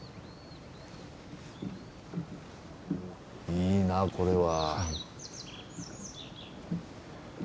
いいなこれは。